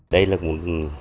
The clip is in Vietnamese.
đây là một